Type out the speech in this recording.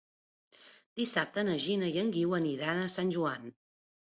Dissabte na Gina i en Guiu aniran a Sant Joan.